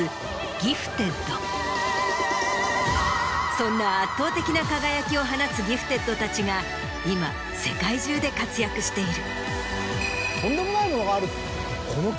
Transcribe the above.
そんな圧倒的な輝きを放つギフテッドたちが今世界中で活躍している。